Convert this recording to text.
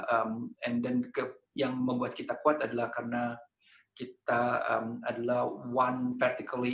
and then yang membuat kita kuat adalah karena kita adalah one vertically